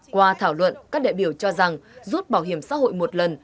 qua thảo luận các đại biểu cho rằng rút bảo hiểm xã hội một lần